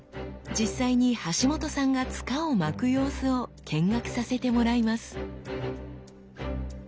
実際に橋本さんが柄を巻く様子を見学させてもらいます。